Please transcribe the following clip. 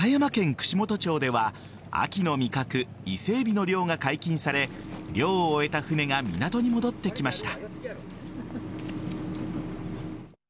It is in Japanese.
串本町では、秋の味覚イセエビの漁が解禁され漁を終えた船が港に戻ってきました。